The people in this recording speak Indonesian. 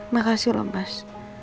makasih loh mas